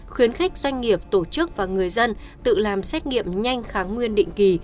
khuyến khích doanh nghiệp tổ chức và người dân tự làm xét nghiệm nhanh kháng nguyên định kỳ